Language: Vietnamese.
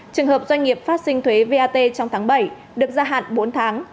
trường hợp doanh nghiệp phát sinh thuế vat trong tháng bảy được gia hạn bốn tháng